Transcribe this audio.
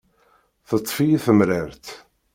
Teṭṭef-iyi temrart.